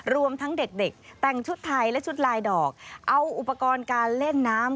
รวมทั้งเด็กแต่งชุดไทยและชุดลายดอกเอาอุปกรณ์การเล่นน้ำ